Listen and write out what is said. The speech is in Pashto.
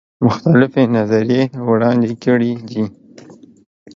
مختلفي نظریې وړاندي کړي دي.